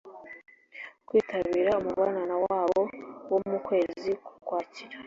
kwitabira umubonano wabo wo mu kwezi k'ukwakira